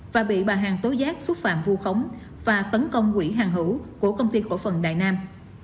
và bị bà hàng tối giác xúc phạm vu khống và tấn công quỹ hàng hữu của công ty cổ phần đại nam